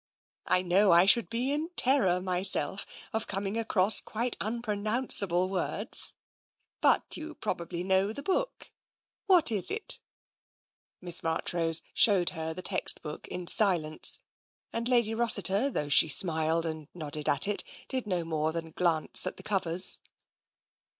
I know I should be in terror myself of com ing across quite unpronounceable words. But you probably know the book. What is it ?" Miss Marchrose showed her the text book in silence, and Lady Rossiter, though she smiled and nodded at it, did no more than glance at the covers.